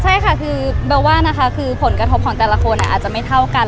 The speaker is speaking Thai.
ใช่ค่ะคือเบลว่านะคะคือผลกระทบของแต่ละคนอาจจะไม่เท่ากัน